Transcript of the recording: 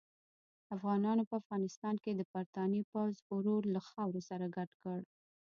افغانانو په افغانستان کې د برتانیې پوځ غرور له خاورو سره ګډ کړ.